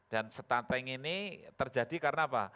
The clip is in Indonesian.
dan stunting ini terjadi karena apa